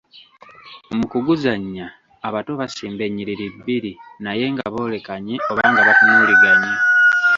"Mu kuguzannya, abato basimba ennyiriri bbiri naye nga boolekanye oba nga batunuuliganye."